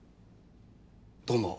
どうも。